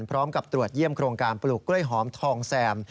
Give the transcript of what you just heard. พร้อมกับตรวจเยี่ยมโครงการปลูกกล้วยหอมทองแซม